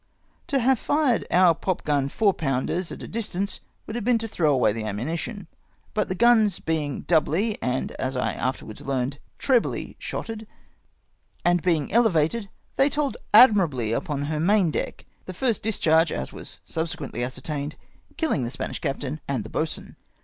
To have fired our popgun 4 pounders at a distance would have been to throw away the ammunition ; but the guns being doubly, and, as I afterwards learned, CARRIED BY BOARDING. Ill .trebly, sliotted, and being elevated, tliey told admirably upon lier main deck ; the first discharge, as was subse quently ascertained, killing the Spanish captain and the boatswain.